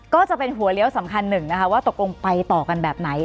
ก็จะเป็นหัวเลี้ยวสำคัญหนึ่งนะคะว่าตกลงไปต่อกันแบบไหน